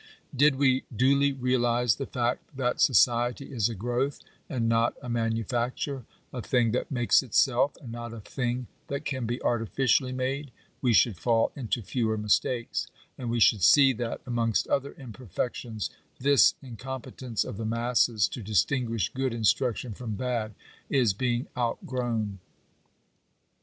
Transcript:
Did we duly realize the fact that society is a growth, and not a manufacture — a thing that makes itself, and not a thing that can be artificially made — we should fall into fewer mis takes; and we should see that amongst other imperfections Digitized by VjOOQIC NATIONAL EDUCATION. 839 this incompetence of the masses to distinguish good instruction from bad, is being outgrown.